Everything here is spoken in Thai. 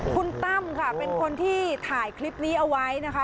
คุณตั้มค่ะเป็นคนที่ถ่ายคลิปนี้เอาไว้นะคะ